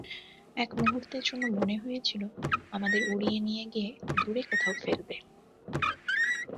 এক মুহূর্তের জন্য মনে হয়েছিল, আমাদের উড়িয়ে নিয়ে গিয়ে দূরে কোথাও ফেলবে!